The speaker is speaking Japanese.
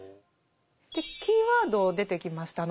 でキーワード出てきました。